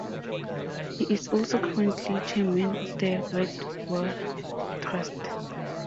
He is also currently Chairman of the Wordsworth Trust.